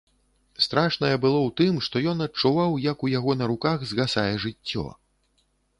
Страшнае было ў тым, што ён адчуваў, як у яго на руках згасае жыццё.